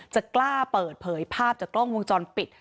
จะกล้าเปิดเผยภาพจากกล้องวงจรปิด